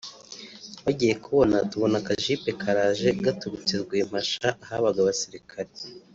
twagiye kubona tubona akajipe karaje gaturutse Rwempasha ahabaga abasirikare